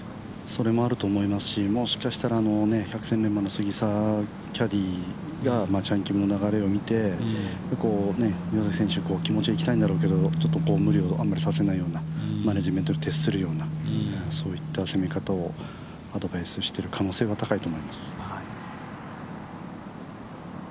それもあると思いますしもしかしたら百戦錬磨の杉澤キャディーがチャン・キムの流れを見て岩崎選手、気持ちはいきたいんだけど、ちょっと無理をあまりさせないようなマネジメントに徹するような攻め方をアドバイスしている可能性は高いと思います。